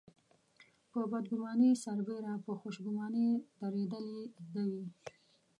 په بدګماني سربېره په خوشګماني درېدل يې زده وي.